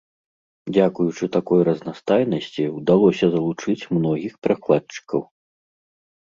Дзякуючы такой разнастайнасці ўдалося залучыць многіх перакладчыкаў.